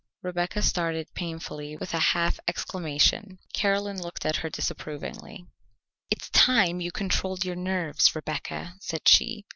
Rebecca started painfully with a half exclamation. Caroline looked at her disapprovingly. "It is time you controlled your nerves, Rebecca," said she.